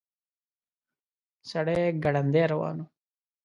سړی ګړندي روان و.